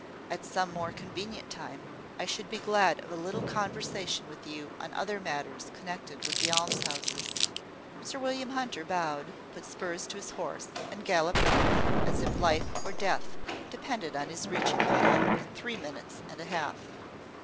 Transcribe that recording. "At some more convenient time, I should be glad of a little conversation with you on other matters connected with these almshouses." Sir William Hunter bowed, put spurs to his horse, and galloped off, as if life or death depended on his reaching the Hall in three minutes and a half.